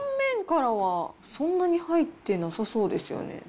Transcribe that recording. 断面からは、そんなに入ってなさそうですよね。